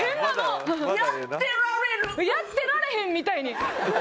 「やってられへん」みたいに。